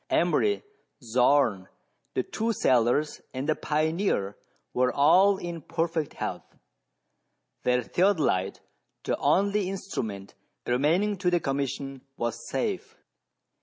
Emery, Zorn, the two sailors, and the pioneer, were all in perfect health. Their theodolite, the only instrument remaining to the Commission, was safe.